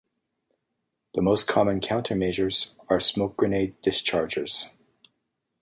The most common countermeasures are smoke grenade dischargers.